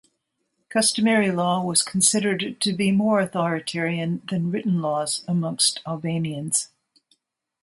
Customary law was considered to be more authoritarian than written laws amongst Albanians.